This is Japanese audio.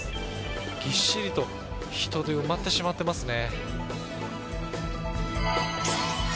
ぎっしりと人で埋まってしまっていますね。